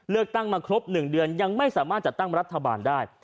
เลือกตั้งมาครบ๑เดือนยังไม่สามารถจัดตั้งรัฐบาลได้